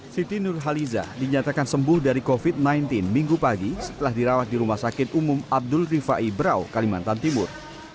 siti nurhaliza dinyatakan sembuh dari covid sembilan belas minggu pagi setelah dirawat di rumah sakit umum abdul rifai berau kalimantan timur